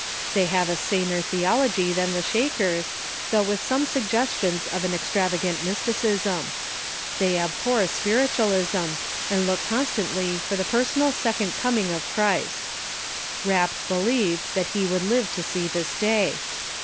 Tiiey have a saner theology than the Shakers, though with some suggestions of an extravagant mysticism. They abhor spiritualism, and look constantly for the personal Second Coming of Christ. Rapp believed that he would live to see this day.